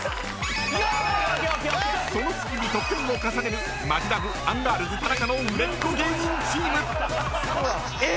［その隙に得点を重ねるマヂラブアンガールズ田中の売れっ子芸人チーム］え